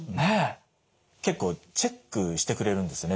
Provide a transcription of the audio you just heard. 結構チェックしてくれるんですよね